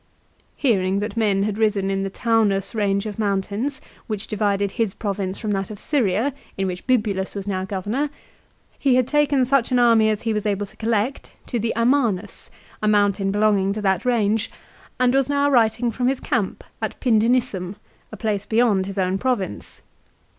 Hearing that men had risen in the Taunus range of moun tains, which divided his Province from that of Syria in which Bibulus was now Governor, he had taken such an army as he was able to collect to the Am anus, a mountain belonging to that range, and was now writing from his camp at Pindenissum, a place beyond his own province.